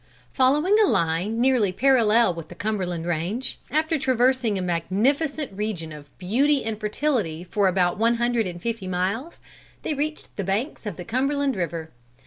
Following a line nearly parallel with the Cumberland Range, after traversing a magnificent region of beauty and fertility for about one hundred and fifty miles, they reached the banks of the Cumberland river.